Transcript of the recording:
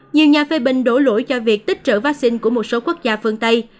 nhiều nhà phê bình đổ lỗi cho việc tích trữ vắc xin của một số quốc gia phương tây